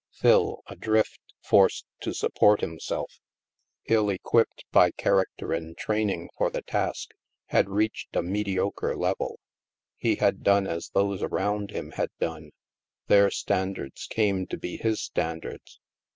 Phil, adrift, forced to support himself, ill 2i8 THE MASK equipped by character and training for the task, had reached a mediocre level. He had done as those around him had done. Their standards came to be his standards.